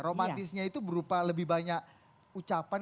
romantisnya itu berupa lebih banyak ucapan